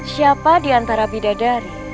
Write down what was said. siapa diantara bidadari